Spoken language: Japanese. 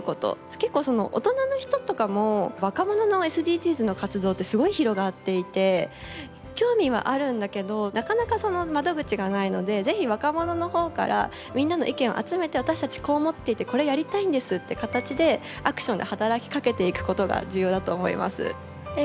結構大人の人とかも若者のＳＤＧｓの活動ってすごい広がっていて興味はあるんだけどなかなかその窓口がないので是非若者の方からみんなの意見を集めて私たちこう思っていてこれやりたいんですって形でアクションで働きかけていくことが重要だと思います。